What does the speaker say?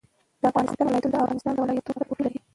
د افغانستان ولايتونه د افغانستان د ولایاتو په کچه توپیر لري.